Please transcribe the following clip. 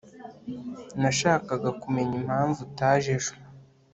nashakaga kumenya impamvu utaje ejo